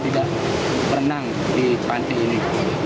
tidak berenang di perancis ini